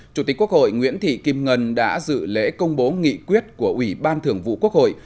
chủ tịch quốc hội nguyễn thị kim ngân đã dự lễ công bố nghị quyết của ủy ban thường vụ quốc hội